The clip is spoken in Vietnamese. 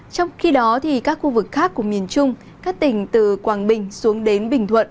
trong khi đó các khu vực khác của miền trung các tỉnh từ quảng bình xuống đến bình thuận